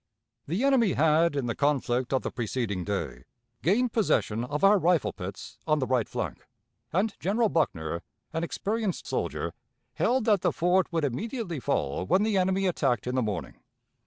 The enemy had, in the conflict of the preceding day, gained possession of our rifle pits on the right flank, and General Buckner, an experienced soldier, held that the fort would immediately fall when the enemy attacked in the morning.